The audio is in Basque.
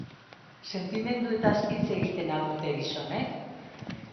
Sentimenduetaz hitz egiten al dute gizonek?